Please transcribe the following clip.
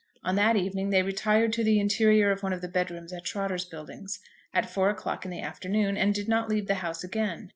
On that evening they retired to the interior of one of the bedrooms at Trotter's Buildings, at four o'clock in the afternoon, and did not leave the house again.